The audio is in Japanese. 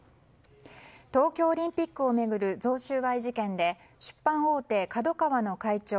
東京オリンピックを巡る贈収賄事件で出版大手ＫＡＤＯＫＡＷＡの会長